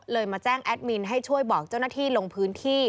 มาแจ้งแอดมินให้ช่วยบอกเจ้าหน้าที่ลงพื้นที่